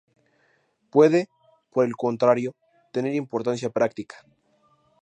Puede, por el contrario, tener importancia práctica.